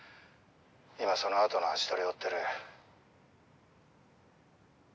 今そのあとの足取りを追ってる。